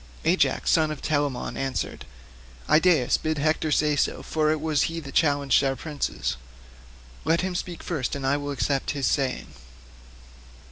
Ajax son of Telamon answered, "Idaeus, bid Hector say so, for it was he that challenged our princes. Let him speak first and I will accept his saying."